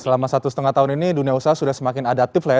selama satu setengah tahun ini dunia usaha sudah semakin adaptif lah ya